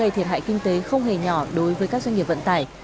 gây thiệt hại kinh tế không hề nhỏ đối với các doanh nghiệp vận tải